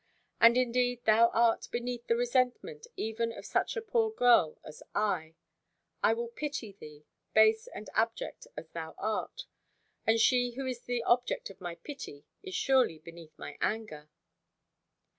And indeed thou art beneath the resentment even of such a poor girl as I. I will pity thee, base and abject as thou art. And she who is the object of my pity is surely beneath my anger."